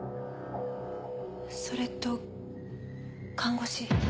それと看護師。